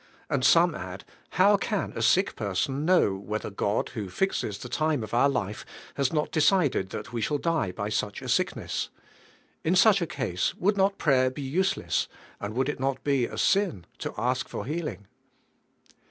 And some add: How can a sick person know whether God, who fix es the time of our life, has not decided Inn we shall die by such a sickness? In such a case, would not prayer be useless, and would it not be a sin to ask for heal ing?